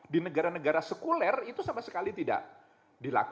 di negara negara sekuler itu sama sekali tidak dilakukan